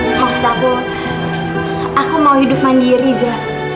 maksud aku aku mau hidup mandiri ja